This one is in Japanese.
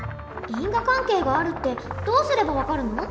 因果関係があるってどうすれば分かるの？